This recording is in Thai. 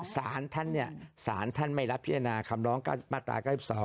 สารท่านสารท่านไม่รับพิจารณาคำร้องมาตรา๙๒